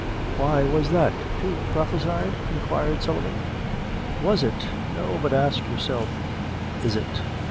"Why, was that, too, prophesied?" inquired Sullivan. "Was it? No; but ax yourself is it.